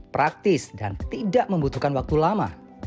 praktis dan tidak membutuhkan waktu lama